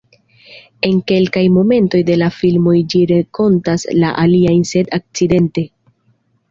En kelkaj momentoj de la filmoj ĝi renkontas la aliajn sed "akcidente".